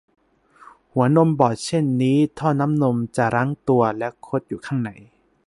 หัวนมบอดเช่นนี้ท่อน้ำนมจะรั้งตัวและคดอยู่ข้างใน